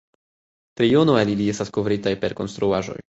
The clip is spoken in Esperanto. Triono el ili estas kovritaj per konstruaĵoj.